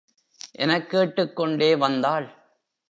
எனக் கேட்டுக் கொண்டே வந்தாள்.